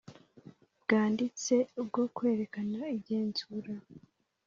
Bwanditse bwo kwerekana igenzura